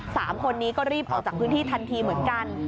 สามคนนี้ก็รีบออกจากพื้นที่ทันทีเหมือนกัน